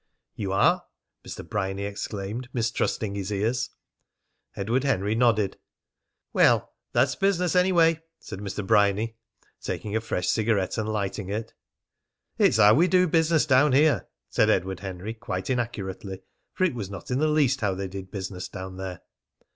"You are?" Mr. Bryany exclaimed, mistrusting his ears. Edward Henry nodded. "Well, that's business anyway," said Mr. Bryany, taking a fresh cigarette and lighting it. "It's how we do business down here," said Edward Henry, quite inaccurately; for it was not in the least how they did business down there.